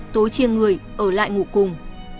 tối chia người ở lại ngủ cùng